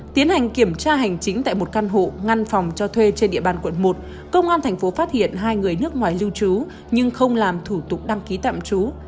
tiến hành kiểm tra hành chính tại một căn hộ ngăn phòng cho thuê trên địa bàn quận một công an tp phát hiện hai người nước ngoài lưu trú nhưng không làm thủ tục đăng ký tạm trú